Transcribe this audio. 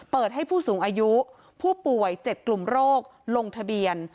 เปิดให้ผู้สูงอายุผู้ป่วย๗กลุ่มโรคลงทะเบียน